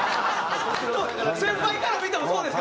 先輩から見てもそうですか？